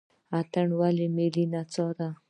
اتن ولې ملي نڅا ده؟